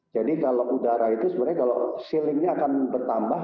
jadi kalau udara itu sebenarnya kalau ceilingnya akan bertambah